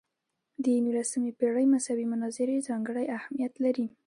د نولسمې پېړۍ مذهبي مناظرې ځانګړی اهمیت لري.